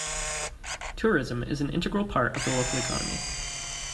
Tourism is an integral part of the local economy.